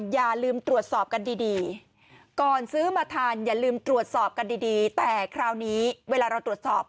อย่าลืมตรวจสอบกันดีแต่คราวนี้เวลาเราตรวจสอบ